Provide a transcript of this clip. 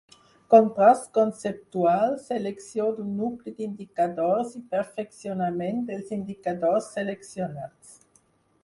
Contrast conceptual, selecció d'un nucli d'indicadors i perfeccionament dels indicadors seleccionats.